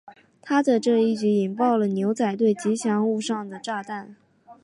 他的这一举动引爆了牛仔队吉祥物上的炸弹。